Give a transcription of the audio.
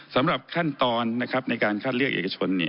สำหรับขั้นตอนในการคัดเลือกเอกชน